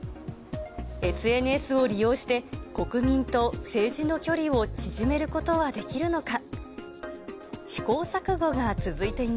ＳＮＳを利用して、国民と政治の距離を縮めることはできるのか。